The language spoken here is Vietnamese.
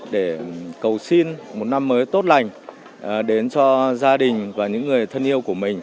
để cầu xin một năm mới tốt lành đến cho gia đình và những người thân yêu của mình